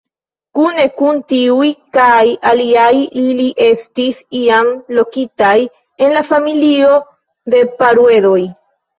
Kune kun tiuj kaj aliaj ili estis iam lokitaj en la familio de Paruedoj.